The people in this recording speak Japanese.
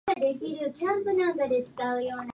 で ｗｆｒｔｔｊ